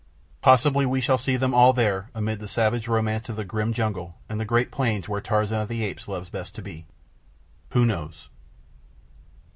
Possibly we shall see them all there amid the savage romance of the grim jungle and the great plains where Tarzan of the Apes loves best to be. Who knows?